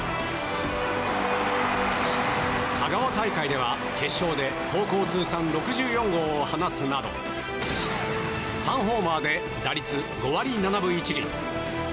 香川大会では決勝で高校通算６４号を放つなど３ホーマーで打率５割７分１厘。